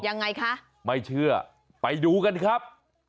ยังไงคะไม่เชื่อไปดูกันครับ